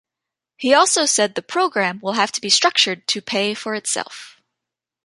He also said the program will have to be structured to pay for itself.